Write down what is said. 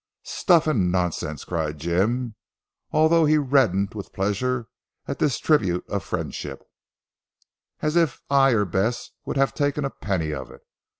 "Stuff and nonsense!" cried Jim, although he reddened with pleasure at this tribute of friendship, "as if I or Bess would have taken a penny of it.